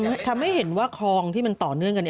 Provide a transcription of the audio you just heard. มันทำให้เห็นว่าคลองที่มันต่อเนื่องกัน